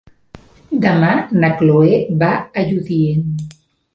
Demà na Chloé va a Lludient.